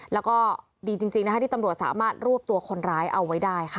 แล้วก็ดีจริงนะคะที่ตำรวจสามารถรวบตัวคนร้ายเอาไว้ได้ค่ะ